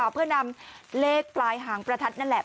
เพื่อนำเลขปลายหางประทัดนั่นแหละ